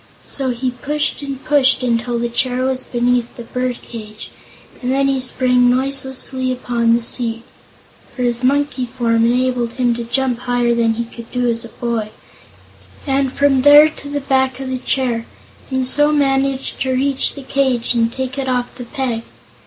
So he pushed and pushed until the chair was beneath the bird cage, and then he sprang noiselessly upon the seat for his monkey form enabled him to jump higher than he could do as a boy and from there to the back of the chair, and so managed to reach the cage and take it off the peg.